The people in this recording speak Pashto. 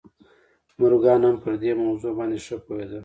مورګان هم پر دې موضوع باندې ښه پوهېده